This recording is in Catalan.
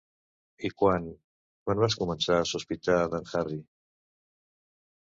I quan... Quan vas començar a sospitar d'en Harry?